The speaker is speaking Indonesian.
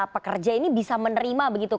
pekerja ini bisa menerima begitu